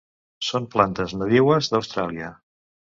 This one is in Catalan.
Són plantes nadiues d'Austràlia.